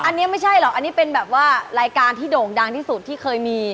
อันนี้ไม่ใช่หรอกอันนี้เป็นรายการดงดังที่สุดที่เคยมี